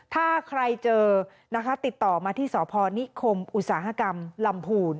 ถ้าใครเจอนะคะติดต่อมาที่สพนิคมอุตสาหกรรมลำพูน